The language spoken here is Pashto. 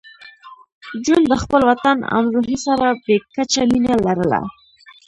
جون د خپل وطن امروهې سره بې کچه مینه لرله